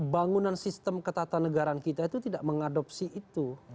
bangunan sistem ketatanegaraan kita itu tidak mengadopsi itu